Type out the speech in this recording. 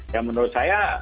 ya menurut saya